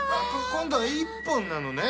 今度は一本なのね。